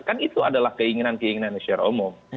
kan itu adalah keinginan keinginan esyar omong